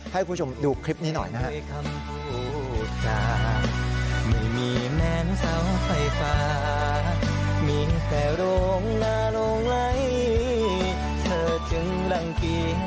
ให้คุณผู้ชมดูคลิปนี้หน่อยนะครับ